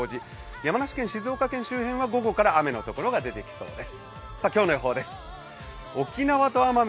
山梨県、静岡県周辺は午後から雨の所が出てきそうです。